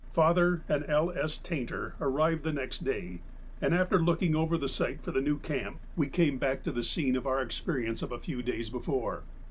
Father and L. S. Tainter arrived the next day and after looking over the site for the new camp we came back to the scene of our experience of a few days before.